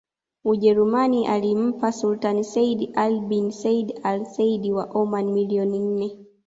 Ujerumani alimlipa Sultan Sayyid Ali bin Said al Said wa Oman milioni nne